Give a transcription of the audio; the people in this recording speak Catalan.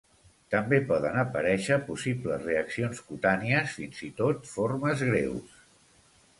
També poden aparèixer possibles reaccions cutànies, fins i tot formes greus.